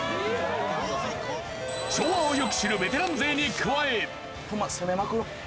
昭和をよく知るベテラン勢に加え。